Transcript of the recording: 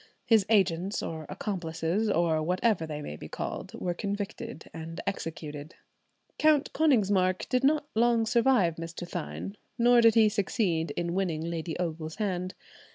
His agents or accomplices, or whatever they may be called, were convicted and executed. Count Konigsmark did not long survive Mr. Thynne, nor did he succeed in winning Lady Ogle's hand.